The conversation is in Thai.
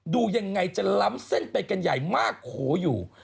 ดูยังไงจะล้ำเส้นไปกันใหญ่มากโขอยู่